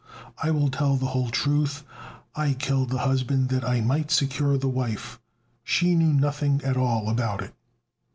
I will tell the whole truth. I killed the husband that I might secure the wife: she knew nothing at all about it."